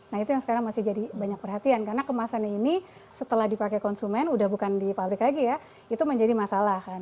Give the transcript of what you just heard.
nah itu yang sekarang masih jadi banyak perhatian karena kemasan ini setelah dipakai konsumen udah bukan di pabrik lagi ya itu menjadi masalah kan